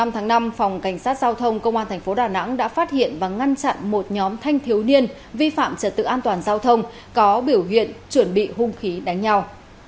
một mươi tháng năm phòng cảnh sát giao thông công an thành phố đà nẵng đã phát hiện và ngăn chặn một nhóm thanh thiếu niên vi phạm trật tự an toàn giao thông có biểu hiện chuẩn bị hung khí đánh nhau